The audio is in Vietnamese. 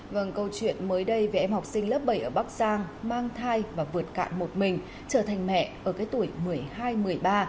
vâng câu chuyện mới đây về em học sinh lớp bảy ở bắc giang mang thai và vượt cạn một mình trở thành mẹ ở cái tuổi một mươi hai một mươi ba